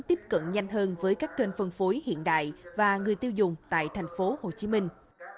tiếp cận nhanh hơn với các kênh phân phối hiện đại và người tiêu dùng tại thành phố hồ chí minh